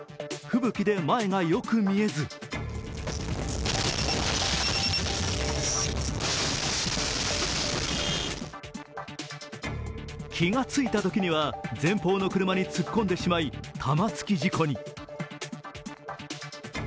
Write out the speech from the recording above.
吹雪で前がよく見えず気がついたときには前方の車に突っ込んでしまい玉突き事故に。